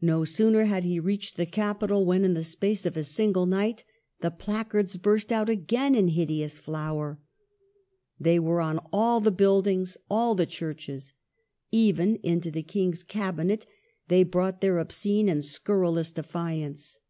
No sooner had he reached the capital than in the space of a single night the placards burst out again in hideous flower. They were on all the buildings, all the churches. Even into the King's cabinet they brought their obscene and scurrilous defiance.